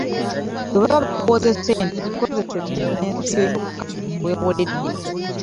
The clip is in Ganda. Bwe baba bakuwoze ssente zikozese bizinensi eyo yokka gy’ozeewoledde.